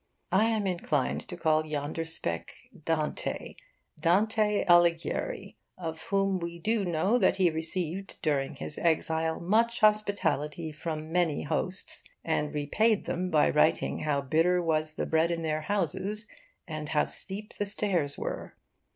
I am inclined to call yonder speck Dante Dante Alighieri, of whom we do know that he received during his exile much hospitality from many hosts and repaid them by writing how bitter was the bread in their houses, and how steep the stairs were.